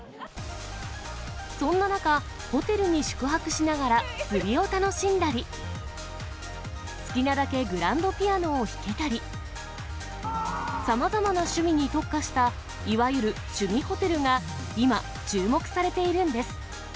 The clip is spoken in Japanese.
そんな中、ホテルに宿泊しながら釣りを楽しんだり、好きなだけグランドピアノを弾けたり、さまざまな趣味に特化した、いわゆる趣味ホテルが今、注目されているんです。